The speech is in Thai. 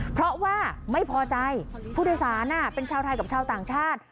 เพราะว่าไม่พอใจผู้โดยสารเป็นชาวไทยกับชาวต่างชาติ